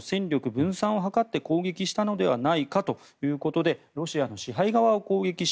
分散を図って攻撃したのではないかということでロシアの支配側を攻撃し